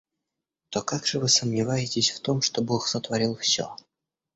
То как же вы сомневаетесь в том, что Бог сотворил всё?